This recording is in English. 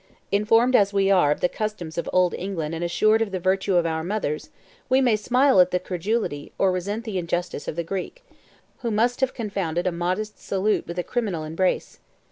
27 Informed as we are of the customs of Old England and assured of the virtue of our mothers, we may smile at the credulity, or resent the injustice, of the Greek, who must have confounded a modest salute 28 with a criminal embrace.